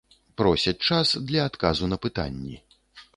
Просяць час для адказу на пытанні.